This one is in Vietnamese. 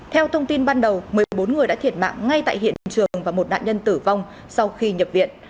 theo thông tin ban đầu một mươi bốn người đã thiệt mạng ngay tại hiện trường và một nạn nhân tử vong sau khi nhập viện